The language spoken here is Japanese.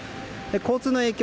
交通の影響